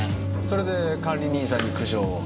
それで管理人さんに苦情を。